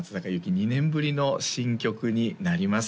２年ぶりの新曲になります